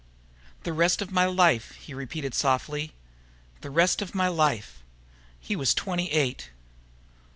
"The rest of my life," he repeated softly. "The rest of my life!" He was twenty eight.